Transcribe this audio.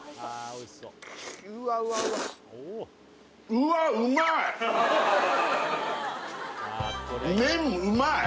うわっ麺うまい！